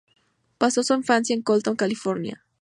Pasó su infancia en Colton, California.